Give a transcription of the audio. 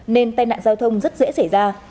nên tai nạn giao thông rất dễ xảy ra